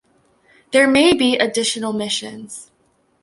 There may be additional missions.